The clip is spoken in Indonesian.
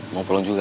mau pulang juga